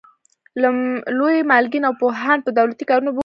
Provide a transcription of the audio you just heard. لوی مالکین او پوهان په دولتي کارونو بوخت وو.